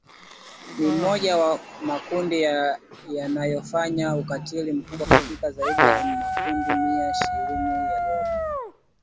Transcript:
ni mmoja ya makundi yanayofanya ukatili mkubwa kati ya zaidi ya makundi mia ishirini yaliyopo